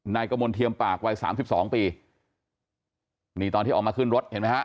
กระมวลเทียมปากวัยสามสิบสองปีนี่ตอนที่ออกมาขึ้นรถเห็นไหมฮะ